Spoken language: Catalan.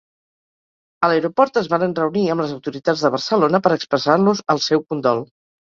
A l'aeroport es varen reunir amb les autoritats de Barcelona per expressar-los el seu condol.